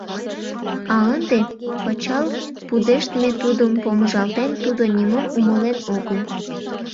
А ынде пычал пудештме тудым помыжалтен, тудо нимом умылен огыл.